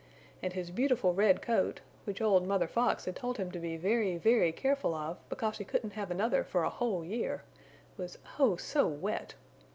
And his beautiful red coat, which old Mother Fox had told him to be very, very careful of because he couldn't have another for a whole year, was oh so wet!